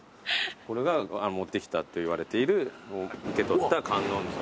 これが持ってきたっていわれている受け取った観音像。